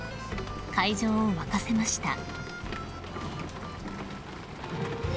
［会場を沸かせました］